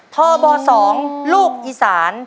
โทบสองลูกอีสาน